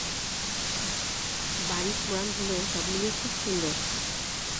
বাড়ি পুরান হলেও সব মিলিয়ে খুব সুন্দর।